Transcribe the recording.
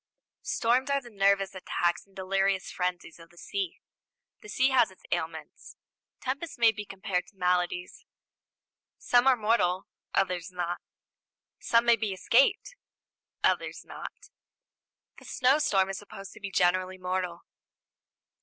Storms are the nervous attacks and delirious frenzies of the sea. The sea has its ailments. Tempests may be compared to maladies. Some are mortal, others not; some may be escaped, others not. The snowstorm is supposed to be generally mortal.